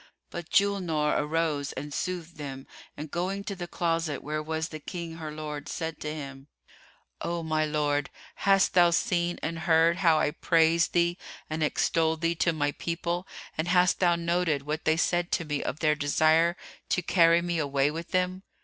But Julnar arose and soothed them and going to the closet where was the King her lord, said to him, "O my lord, hast thou seen and heard how I praised thee and extolled thee to my people and hast thou noted what they said to me of their desire to carry me away with them?"